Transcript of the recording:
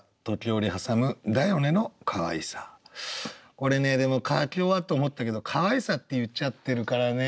俺ねでも書き終わって思ったけど「可愛さ」って言っちゃってるからね。